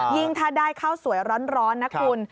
ยิ่งถ้าได้ข้าวสวยร้อนนะคุณ